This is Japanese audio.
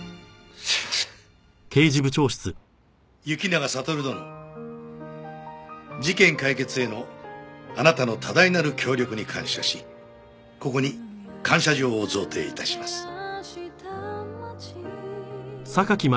「行長悟殿」「事件解決へのあなたの多大なる協力に感謝しここに感謝状を贈呈いたします」